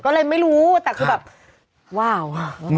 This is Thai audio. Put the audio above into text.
ก็เลยไม่รู้แต่คือแบบ